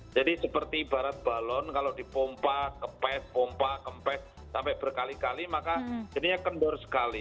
jadi seperti ibarat balon kalau dipompa kepet pompa kempet sampai berkali kali maka jadinya kendor sekali